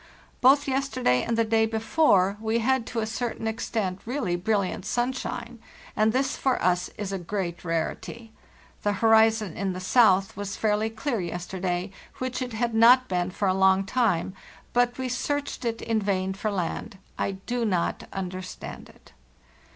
Both yesterday and the day before we had to a certain extent really brilliant sunshine, and this for us is a great rarity. The horizon in the south was fairly clear yes terday, which it had not been for a long time; but we searched it in vain for land. I do not understand it.